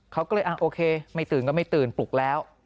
เขาก็เลยโอเคไม่ตื่นก็ไม่ตื่นปลุกแล้ว